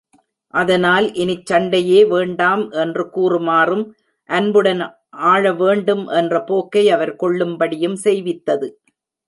அதனால் இனிச் சண்டையே வேண்டாம் என்று கூறுமாறும் அன்புடன் ஆளவேண்டும் என்ற போக்கை அவர் கொள்ளும் படியும் செய்வித்தது.